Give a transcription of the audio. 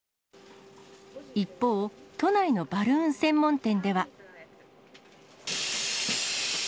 一方、都内のバルーン専門店では。